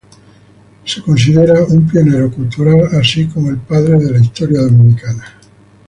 Es considerado un pionero cultural así como el "Padre de la Historia Dominicana".